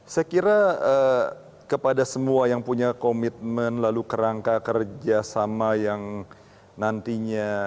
saya kira kepada semua yang punya komitmen lalu kerangka kerjasama yang nantinya